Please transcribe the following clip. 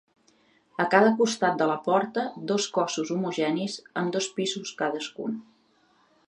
A cada costat de la porta dos cossos homogenis amb dos pisos cadascun.